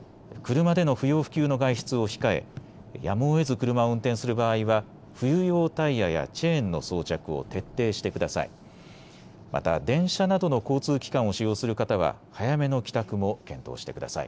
車での不要不急の外出を控え、やむをえず車を運転する場合は冬用タイヤやチェーンの装着を徹底してください。